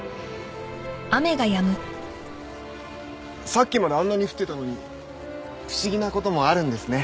さっきまであんなに降ってたのに不思議なこともあるんですね。